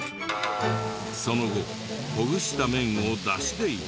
その後ほぐした麺を出汁で炒め。